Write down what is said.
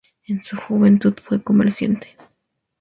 En su juventud fue comerciante.